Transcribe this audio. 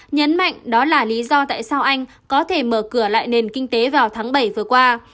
nhấn mạnh đó là lý do tại sao anh có thể mở cửa lại nền kinh tế vào tháng bảy vừa qua